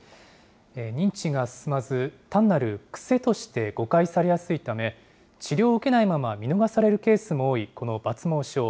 認知が進まず、単なる癖として誤解されやすいため、治療を受けないまま見逃されるケースも多い、この抜毛症。